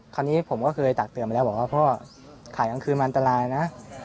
คราวนี้ผมก็เคยตักเตือนไปแล้วบอกว่าพ่อขายกลางคืนมันอันตรายนะ